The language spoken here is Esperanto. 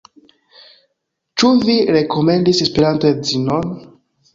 Ĉu vi rekomendis Esperanto-edzon?